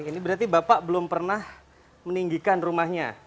ini berarti bapak belum pernah meninggikan rumahnya